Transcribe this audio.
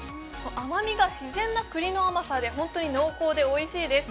甘みが自然なくりの甘さで本当に濃厚でおいしいです。